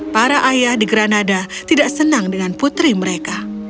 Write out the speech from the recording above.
para ayah di granada tidak senang dengan putri mereka